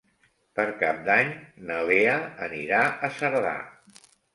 Per Cap d'Any na Lea anirà a Cerdà.